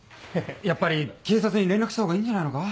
やっぱり警察に連絡したほうがいいんじゃないのか？